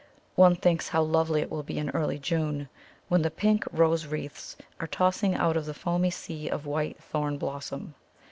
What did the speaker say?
One thinks how lovely it will be in early June, when the pink Rose wreaths are tossing out of the foamy sea of white Thorn blossom.